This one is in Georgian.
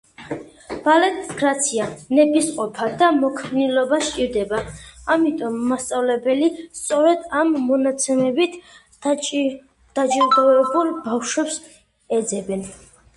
ბალეტს გრაცია, ნებისყოფა და მოქნილობა სჭირდება, ამიტომ მასწავლებლები სწორედ ამ მონაცემებით დაჯილდოებულ ბავშვებს ეძებენ.